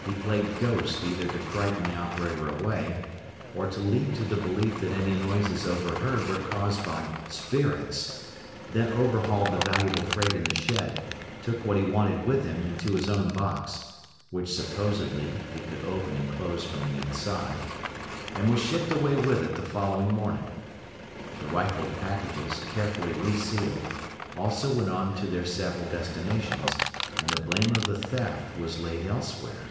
He played "ghost" either to frighten the operator away, or to lead to the belief that any noises overheard were caused by "spirits," then overhauled the valuable freight in the shed, took what he wanted with him into his own box (which supposedly he could open and close from the inside), and was shipped away with it the following morning. The rifled packages, carefully re sealed, also went on to their several destinations, and the blame of the theft was laid elsewhere.